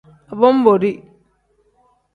Abonboori.